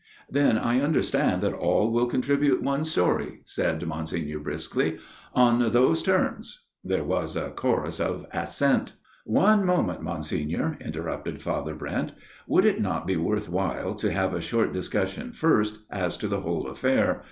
" Then I understand that all will contribute one story," said Monsignor briskly, " on those terms " There was a chorus of assent. " One moment, Monsignor," interrupted Father Brent. " Would it not be worth while to have a short discussion first as to the whole affair